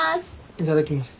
いただきます。